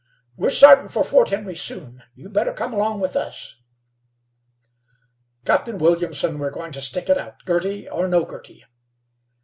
We're startin' for Fort Henry soon. You'd better come along with us." "Captain Williamson, we're going to stick it out, Girty or no Girty."